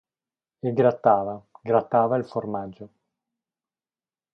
E grattava, grattava il formaggio.